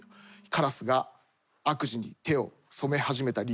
カラスが悪事に手を染め始めた理由。